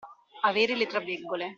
Avere le traveggole.